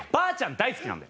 大好きなんだ？